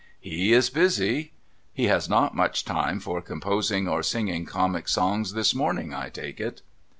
' He is busy. He has not much time for composing or singing Comic Songs this morning, I take it.'